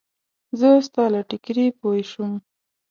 زه ستا له ټیکري پوی شوم.